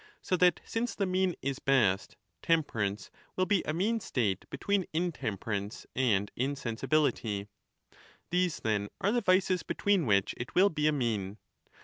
So that, since the mean is best, temperance will be a mean state between intemperance and insensi 5 bility. These, then, are the vices between which it will be a mean.